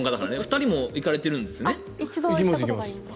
２人も行かれてるんですね。